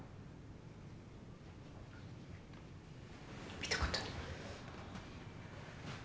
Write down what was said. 見たことない。